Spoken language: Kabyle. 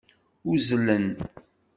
Uzzlen.